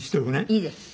いいです。